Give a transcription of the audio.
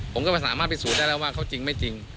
ผมก็ไม่สามารถพิสูจน์ได้แล้วว่าเขาจริงไม่จริง